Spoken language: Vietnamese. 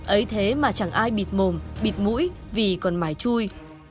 ấy thế mà chẳng ai bịt mồm bịt mũi vì còn mãi chui